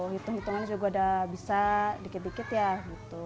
hitung hitungannya juga udah bisa dikit dikit ya gitu